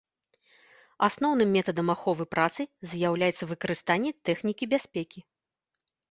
Асноўным метадам аховы працы з'яўляецца выкарыстанне тэхнікі бяспекі.